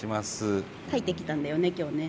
描いてきたんだよね今日ね。